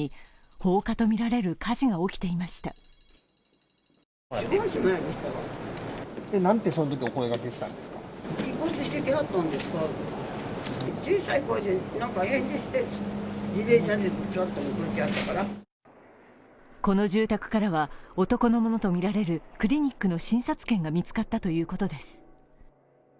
この住宅からは、男のものとみられるクリニックの診察券が見つかったということです。